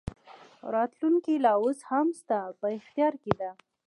راتلونکې لا اوس هم ستا په اختیار کې ده.